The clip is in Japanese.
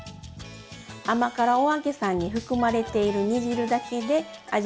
甘辛お揚げさんに含まれている煮汁だけで味付けできます。